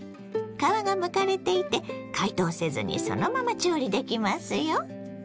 皮がむかれていて解凍せずにそのまま調理できますよ。